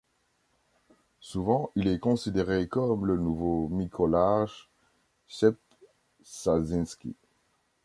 Souvent il est considéré comme le nouveau Mikołaj Sęp-Szarzyński.